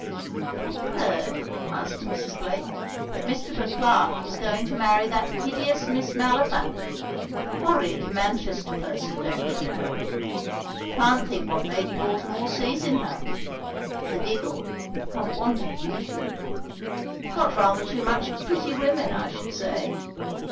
"Have you heard," asks Mrs. Blake, "that Mr. Beauclerk is going to marry that hideous Miss Maliphant. Horrid Manchester person, don't you know! Can't think what Lady Baltimore sees in her" with a giggle "her want of beauty. Got rather too much of pretty women I should say."